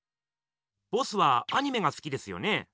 ボスはアニメがすきですよね？